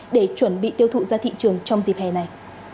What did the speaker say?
để chuẩn bị tiêu thụ ra thị trường trong dịp hè này